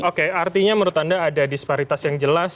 oke artinya menurut anda ada disparitas yang jelas